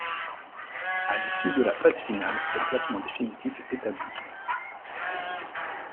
À l'issue de la phase finale, le classement définitif est établi.